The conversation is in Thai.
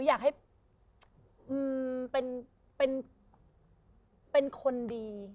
อยากให้เป็นคนดี